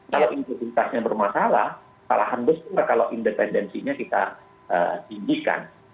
kalau integritasnya bermasalah salah satu hal kalau independensinya kita tinggikan